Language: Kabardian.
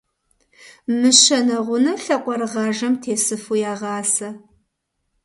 Мыщэ нэгъунэ лъакъуэрыгъажэм тесыфу ягъасэ.